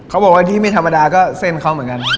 เขาบอกว่าที่ไม่ธรรมดาก็เส้นเขาเหมือนกัน